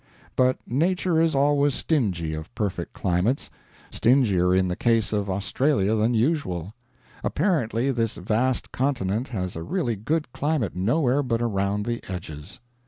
But Nature is always stingy of perfect climates; stingier in the case of Australia than usual. Apparently this vast continent has a really good climate nowhere but around the edges.